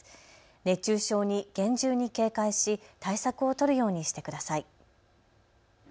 熱中症に厳重に警戒し対策を取るようにしてください。